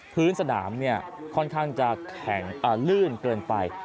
พื้นสนามเนี่ยค่อนข้างจะแข็งแลึ่งเกินไป